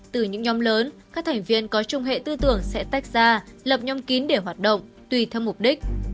từ những nhóm lớn các thành viên có trung hệ tư tưởng sẽ tách ra lập nhóm kín để hoạt động tùy theo mục đích